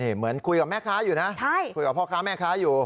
เหมือนคุยกับแม่ค้าอยู่นะคุยกับพ่อค้าแม่ค้าอยู่